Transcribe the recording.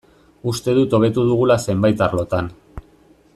Uste dut hobetu dugula zenbait arlotan.